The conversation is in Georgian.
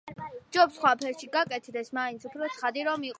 ჯობს სხვა ფერში გაკეთდეს მაინც უფრო ცხადი რომ იყოს.